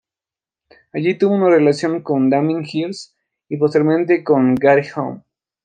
Allí tuvo una relación con Damien Hirst y posteriormente con Gary Hume.